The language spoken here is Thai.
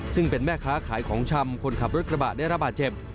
ซึ่งเป็นแม่ค้าขายของชำคนขับรถกระบะได้ระบาดเจ็บ